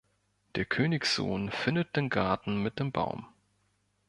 Der Königssohn findet den Garten mit dem Baum.